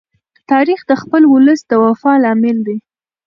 تاریخ د خپل ولس د وفا لامل دی.